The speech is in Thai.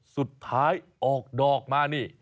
สุดท้ายออกดอกมานี่